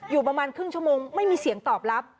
อยู่ประมาณครึ่งชั่วโมงไม่มีเสียงตอบรับ